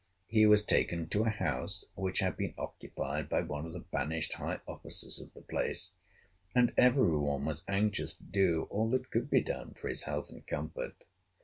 He was taken to a house which had been occupied by one of the banished high officers of the place, and every one was anxious to do all that could be done for his health and comfort.